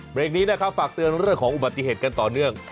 เด็กนี้นะครับฝากเตือนเรื่องของอุบัติเหตุกันต่อเนื่อง